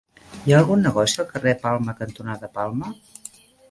Hi ha algun negoci al carrer Palma cantonada Palma?